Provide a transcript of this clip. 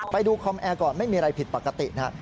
ไปดูคอมแอร์ก่อนไม่มีอะไรผิดปกตินะครับ